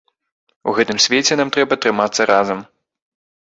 У гэтым свеце нам трэба трымацца разам.